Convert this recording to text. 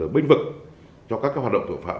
bênh vực cho các hoạt động tội phạm